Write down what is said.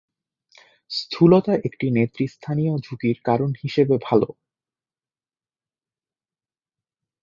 স্থূলতা একটি নেতৃস্থানীয় ঝুঁকির কারণ হিসেবে ভাল।